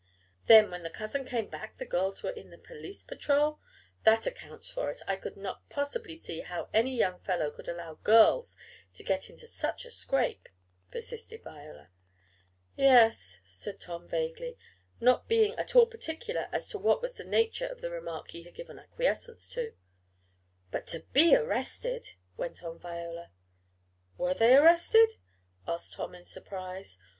"Then, when the cousin came back the girls were in the police patrol? That accounts for it. I could not possibly see how any young fellow could allow girls to get into such a scrape," persisted Viola. "Yes," said Tom vaguely, not being at all particular as to what was the nature of the remark he had given acquiescence to. "But to be arrested!" went on Viola. "Were they arrested?" asked Tom in surprise.